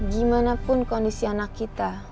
gimana pun kondisi anak kita